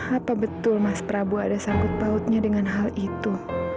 apa betul mas prabowo ada sanggup bautnya dengan hal itu